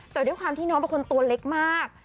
แต่ด้วยความที่น้องเป็นคนตัวเล็กมาก